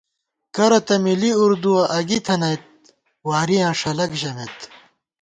کرہ تہ مِلی اُردُوَہ اَگی تھنَئت، وارِیاں ݭَلَک ژَمېت